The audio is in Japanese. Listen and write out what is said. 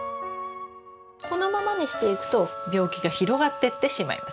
このままにしておくと病気が広がってってしまいます。